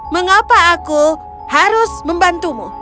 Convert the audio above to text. mengapa aku harus membantumu